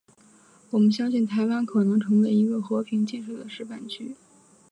我们相信台湾可能成为一个和平建设的示范区。